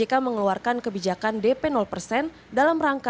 dalam rangka mengembangkan kebijakan yang diberikan oleh perusahaan pembiayaan motor